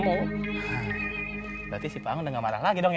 berarti si paang udah gak marah lagi dong ya